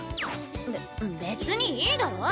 べ別にいいだろ。